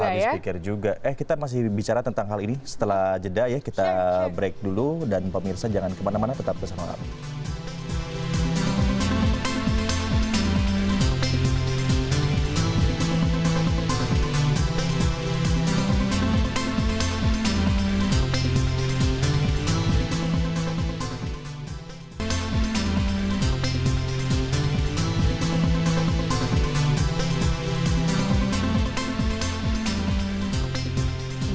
gak habis pikir juga eh kita masih bicara tentang hal ini setelah jeda ya kita break dulu dan pemirsa jangan kemana mana tetap bersama kami